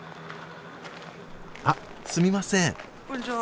あっすみません。